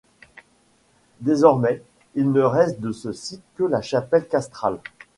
Désormais, il ne reste de ce site que la chapelle castrale.